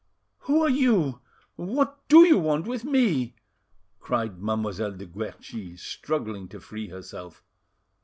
"Who are you? What do you want with me?" cried Mademoiselle de Guerchi, struggling to free herself.